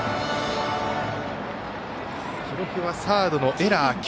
記録はサードのエラー。